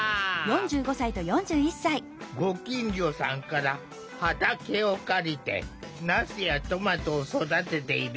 ご近所さんから畑を借りてナスやトマトを育てている。